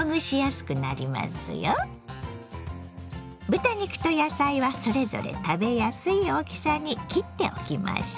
豚肉と野菜はそれぞれ食べやすい大きさに切っておきましょう。